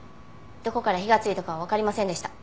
どこから火がついたかはわかりませんでした。